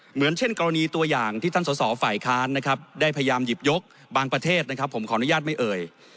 เหมือนเช่นกรณีตัวอย่างที่ท่านสอสอฝ่ายค้านนะครับได้พยายามหยิบยกบางประเทศนะครับผมขออนุญาตไม่เอ่ย